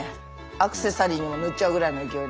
アクセサリーも塗っちゃうぐらいの勢いね。